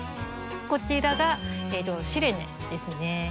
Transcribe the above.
こちらがシレネですね。